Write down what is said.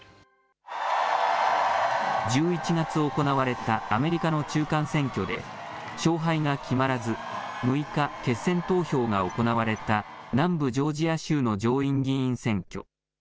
１１月行われたアメリカの中間選挙で、勝敗が決まらず、６日、決選投票が行われた南部ジョージア州の上院議員選挙。